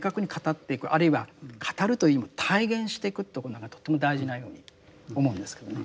あるいは語るというよりも体現してくということがとても大事なように思うんですけどね。